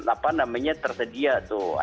apa namanya tersedia tuh